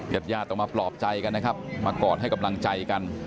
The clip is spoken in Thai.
ญาติญาติต้องมาปลอบใจกันนะครับมากอดให้กำลังใจกัน